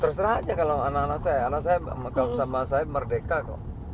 terserah aja kalau anak anak saya anak saya sama saya merdeka kok